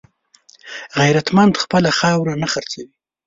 غیرتمند خپله خاوره نه خرڅوي